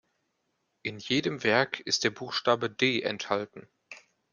In jedem Werk ist der Buchstabe „D“ enthalten.